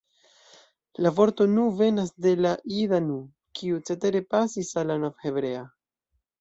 La vorto nu venas de la jida nu, kiu cetere pasis al la novhebrea.